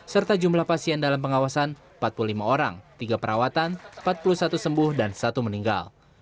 serta jumlah pasien dalam pengawasan empat puluh lima orang tiga perawatan empat puluh satu sembuh dan satu meninggal